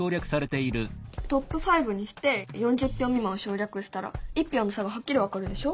トップ５にして４０票未満は省略したら１票の差がはっきり分かるでしょ？